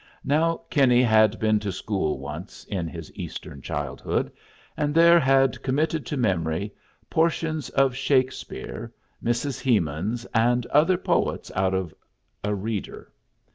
Now Kinney had been to school once, in his Eastern childhood, and there had committed to memory portions of Shakespeare, Mrs. Hemans, and other poets out of a Reader.